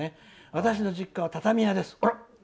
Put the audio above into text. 「私の実家は畳屋です。